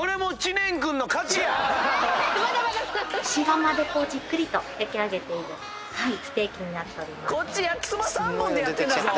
石窯でじっくりと焼き上げているステーキになっております。